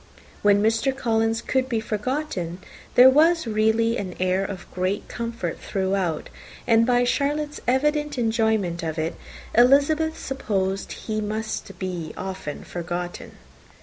When Mr. Collins could be forgotten, there was really a great air of comfort throughout, and by Charlotte's evident enjoyment of it, Elizabeth supposed he must be often forgotten.